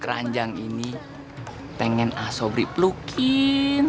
keranjang ini pengen aso beri pelukin